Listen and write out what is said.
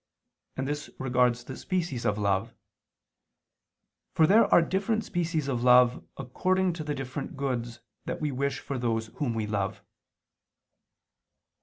And this regards the species of love; for there are different species of love according to the different goods that we wish for those whom we love.